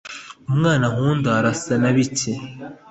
umwana nkunda arasa na bike